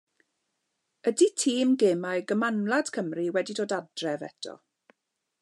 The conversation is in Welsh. Ydy tîm gemau gymanwlad Cymru wedi dod adref eto?